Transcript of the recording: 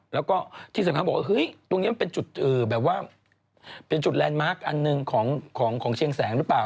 แล้วก็ที่สำคัญบอกว่าเฮ้ยตรงนี้มันเป็นจุดแรนดมาร์คอันนึงของเชียงแสงหรือเปล่า